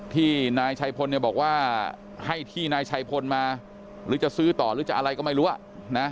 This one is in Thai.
ที่นายชัยพลเนี่ยบอกว่าให้ที่นายชัยพลมาหรือจะซื้อต่อหรือจะอะไรก็ไม่รู้นะ